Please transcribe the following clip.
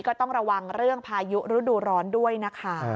ก็ต้องระวังเรื่องพายุฤดูร้อนด้วยนะคะ